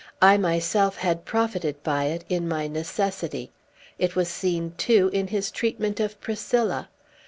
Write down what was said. I myself had profited by it, in my necessity. It was seen, too, in his treatment of Priscilla.